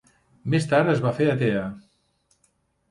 Més tard es va fer atea.